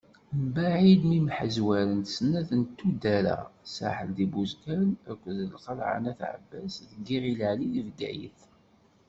Mbeɛd mi mḥezwarent snat n tuddar-a Saḥel di Buzgan akked Lqelɛa n At Ɛebbas deg Yiɣil Ɛli di Bgayet.